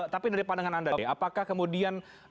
tapi dari pandangan anda nih apakah kemudian